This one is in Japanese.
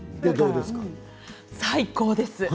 最高です。